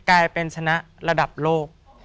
กลายเป็นชนะระดับโลก